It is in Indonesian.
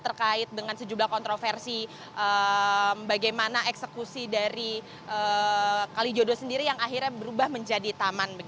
terkait dengan sejumlah kontroversi bagaimana eksekusi dari kalijodo sendiri yang akhirnya berubah menjadi taman